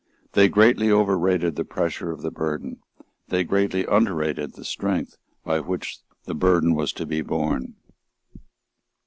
They greatly overrated the pressure of the burden; they greatly underrated the strength by which the burden was to be borne.